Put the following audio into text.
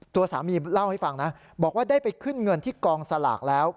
ตัวสามีเล่าให้ฟังนะบอกว่าได้ไปขึ้นเงินที่กองสลากแล้ว